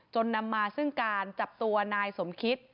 จนนำมาถึงการจับตัวนายสมคริสฯ